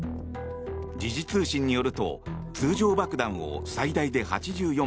時事通信によると通常爆弾を最大で８４発